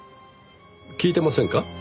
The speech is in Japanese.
聞いてませんか？